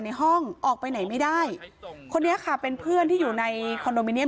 ในห้องออกไปไหนไม่ได้คนนี้ค่ะเป็นเพื่อนที่อยู่ในคอนโดมิเนีย